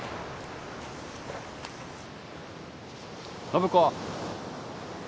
暢子。